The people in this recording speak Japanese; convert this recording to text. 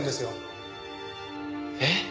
えっ？